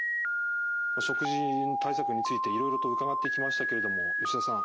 食事対策についていろいろと伺ってきましたけれども吉田さん